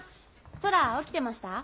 空起きてました？